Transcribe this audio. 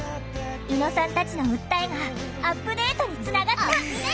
猪野さんたちの訴えがアップデートにつながった！